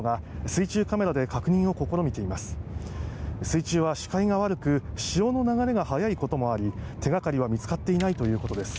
水中は視界が悪く潮の流れが早いこともあり手がかりは見つかっていないということです。